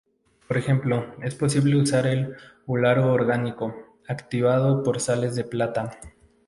Por ejemplo, es posible usar un haluro orgánico, activado por sales de plata.